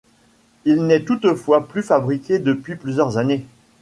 Il n’est toutefois plus fabriqué depuis plusieurs années.